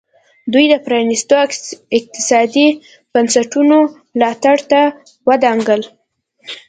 دوی د پرانیستو اقتصادي بنسټونو ملاتړ ته نه ودانګل.